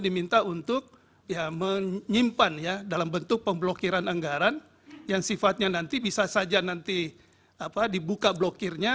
diminta untuk ya menyimpan ya dalam bentuk pemblokiran anggaran yang sifatnya nanti bisa saja nanti dibuka blokirnya